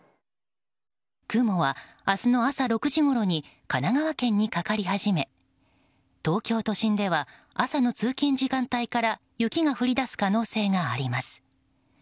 雲は明日の朝６時ごろに神奈川県にかかり始め東京都心では朝の通勤時間帯から雪が降り出す可能性があります。